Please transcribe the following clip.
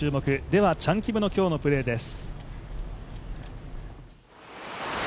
ではチャン・キムの今日のプレーです。